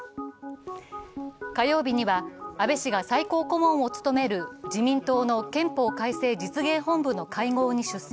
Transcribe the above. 火曜日には、安倍氏が最高顧問を務める自民党の憲法改正実現本部の会合に出席。